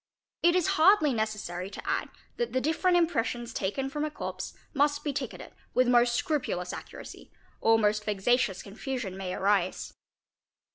It is hardly necessary to add that the different impressions taken from a corpse must be ticketed with most scrupulous accuracy, or most vexatious confusion may arise.